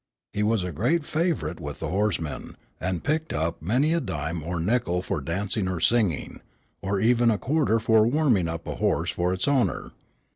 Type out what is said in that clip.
He was a great favorite with the horsemen, and picked up many a dime or nickel for dancing or singing, or even a quarter for warming up a horse for its owner.